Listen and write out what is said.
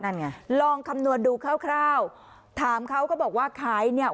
นั่นไงลองคำนวณดูคร่าวถามเขาก็บอกว่าขายเนี่ย